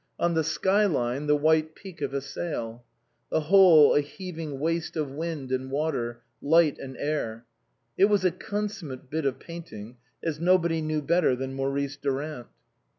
On the sky line the white peak of a sail ; the whole a heaving waste of wind and water, light and air. It was a consummate bit of painting, as nobody knew better than Maurice Durant.